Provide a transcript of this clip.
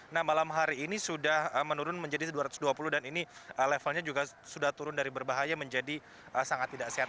nah malam hari ini sudah menurun menjadi dua ratus dua puluh dan ini levelnya juga sudah turun dari berbahaya menjadi sangat tidak sehat